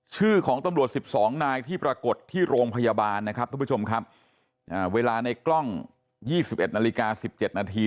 ชื่อของตำรวจ๑๒นายที่ปรากฏที่โรงพยาบาลนะครับทุกผู้ชมครับเวลาในกล้อง๒๑นาฬิกา๑๗นาที